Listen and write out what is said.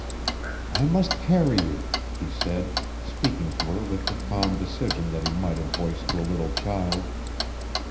"I must carry you," he said, speaking to her with the calm decision that he might have voiced to a little child.